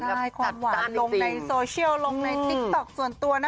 ตัดตามจริงค่ะใช่ความหวานลงในโซเชียลลงในติ๊กต็อกส่วนตัวนะ